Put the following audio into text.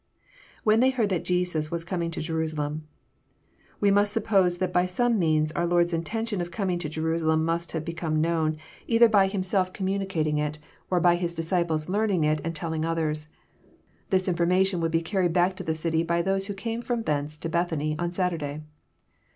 [ When they heard that Jesus was coming to Jerusalem.] We must suppose that by some means our Lord's Intention ot coming to Jerusalem must have become known, either by Him* 326 EXPOSITORY THOUGHTS. self communicating it, or by His disciples learning it and telling others. This information woald be carried back to the city by those who came f^om thence to Bethany on Saturday.